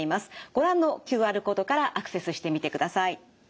ご覧のＱＲコードからアクセスしてみてください。